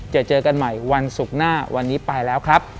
เจอเจอกันใหม่วันศุกร์หน้าวันนี้ไปแล้วครับ